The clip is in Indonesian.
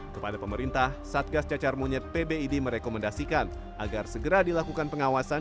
kepada pemerintah satgas cacar monyet pbid merekomendasikan agar segera dilakukan pengawasan